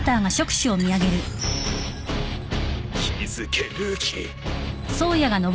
気付けルーキー。